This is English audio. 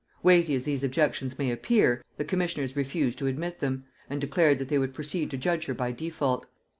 Weighty as these objections may appear, the commissioners refused to admit them, and declared that they would proceed to judge her by default.